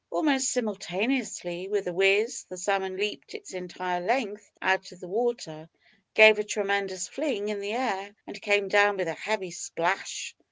Almost simultaneously with the whiz the salmon leaped its entire length out of the water, gave a tremendous fling in the air, and came down with a heavy splash!